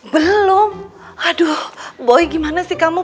belum aduh boy gimana sih kamu